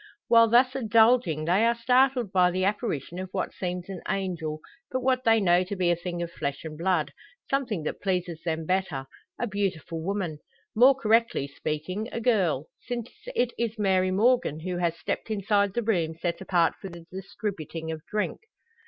While thus indulging they are startled by the apparition of what seems an angel, but what they know to be a thing of flesh and blood something that pleases them better a beautiful woman. More correctly speaking a girl; since it is Mary Morgan who has stepped inside the room set apart for the distributing of drink.